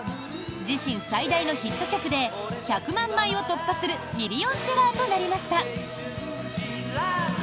自身最大のヒット曲で１００万枚を突破するミリオンセラーとなりました。